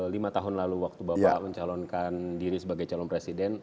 lima tahun lalu waktu bapak mencalonkan diri sebagai calon presiden